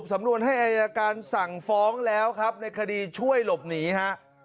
สำนวนให้อายการสั่งฟ้องแล้วครับในคดีช่วยหลบหนีฮะ